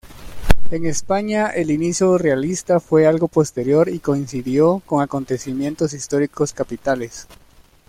En España, el inicio realista fue algo posterior y coincidió con acontecimientos históricos capitales.